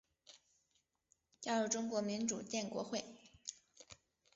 加入中国民主建国会。